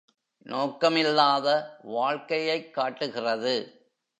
நோக்கமில்லாத வாழ்க்கையைக் காட்டுகிறது.